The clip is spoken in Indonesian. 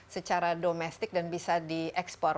secara domestik dan bisa diekspor